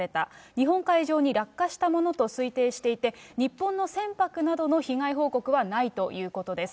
日本海上に落下したものと推定していて、日本の船舶などの被害報告はないということです。